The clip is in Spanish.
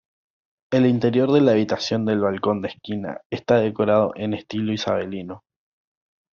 El interior de la habitación del balcón de esquina está decorado en estilo isabelino.